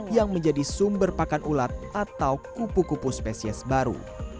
yang menjadi sumber pakan ulat atau kupu kupu spesies baru